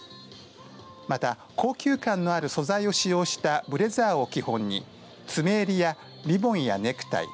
また、高級感のある素材を使用したブレザーを基本に詰め襟やリボンやネクタイ